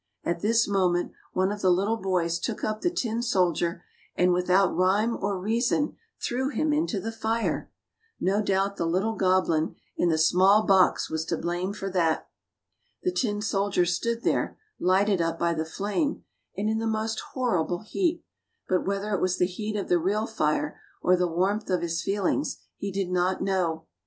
At this moment one of the little boys took up the tin soldier, and without rhyme or reason, threw him into the fire. No doubt the little goblin in the snuff THE STEADFAST TIN SOLDIER 97 box was to blame for that. The tin soldier stood there, lighted up by the flame, and in the most horrible heat; but whether it was the heat of the real fire, or the warmth of his feelings, he did not know.